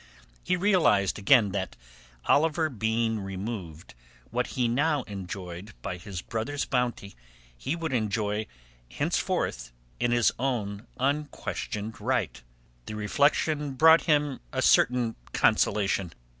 He realized again that Oliver being removed, what he now enjoyed by his brother's bounty he would enjoy henceforth in his own unquestioned right. The reflection brought him a certain consolation.